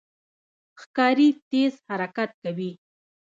ښکاري تېز حرکت کوي.